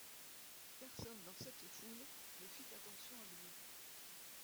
Personne dans cette foule ne fit attention à lui.